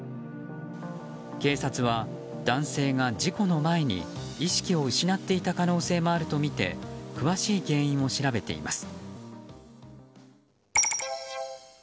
警察は男性が事故の前に意識を失っていた可能性もあるとみて詳しい原因を調べています。